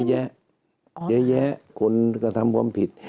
เยอะแยะคนกระทำความผิด